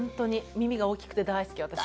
耳が大きくて大好き私。